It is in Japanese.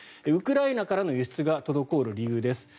ウクライナからの輸出が滞る理由です。